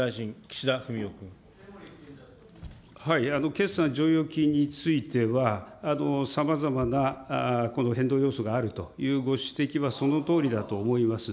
決算剰余金については、さまざまなこの変動要素があるというご指摘は、そのとおりだと思います。